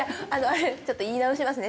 ちょっと言い直しますねじゃあ。